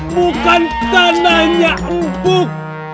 bukan tanahnya empuk